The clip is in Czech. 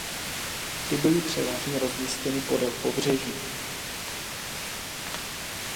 Ty byly převážně rozmístěny podél pobřeží.